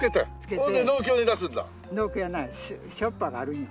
それで農協に出すんだ。